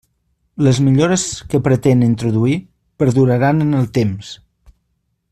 Les millores que pretén introduir perduraran en el temps.